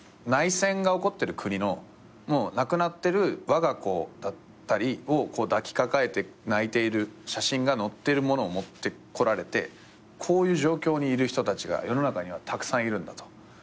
内戦が起こってる国の亡くなってるわが子だったりをこう抱きかかえて泣いている写真が載ってるものを持ってこられてこういう状況にいる人たちが世の中にはたくさんいるんだと。